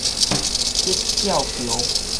德照橋